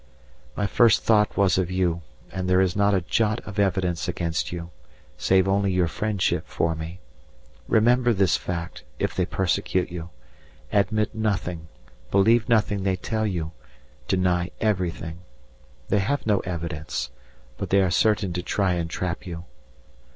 My first thought was of you, and there is not a jot of evidence against you, save only your friendship for me. Remember this fact, if they persecute you. Admit nothing, believe nothing they tell you, deny everything; they have no evidence; but they are certain to try and trap you.